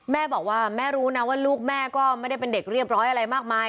แม่บอกว่าแม่รู้นะว่าลูกแม่ก็ไม่ได้เป็นเด็กเรียบร้อยอะไรมากมาย